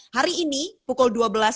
hari ini pukul dua belas empat puluh sembilan